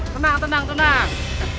tenang tenang tenang